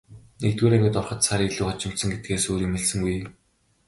Нэгдүгээр ангид ороход сар илүү хожимдсон гэдгээс өөр юм хэлсэнгүй.